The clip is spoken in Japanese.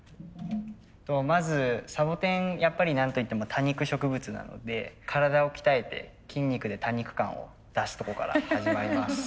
まずサボテンやっぱりなんといっても多肉植物なので体を鍛えて筋肉で多肉感を出すとこから始まります。